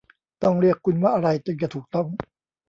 ต้องเรียกคุณว่าอะไรจึงจะถูกต้อง ?